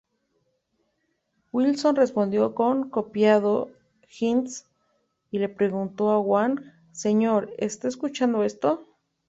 Wilson respondió con "copiado, Hinds" y le preguntó a Wang "¿señor, está escuchando esto?